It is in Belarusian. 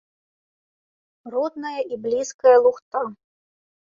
Родная і блізкая лухта.